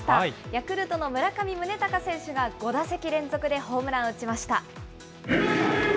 ヤクルトの村上宗隆選手が、５打席連続でホームランを打ちました。